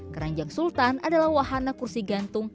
keranjang sultan adalah wahana kursi gantung